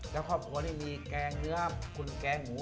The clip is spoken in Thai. แล้วครอบครัวนี่มีแกงเนื้อคุณแกงหมู